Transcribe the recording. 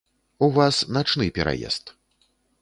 У вас начны пераезд.